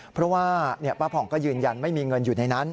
เพราะว่าป้าผ่องก็ยืนยันไม่มีเงินอยู่ในนั้น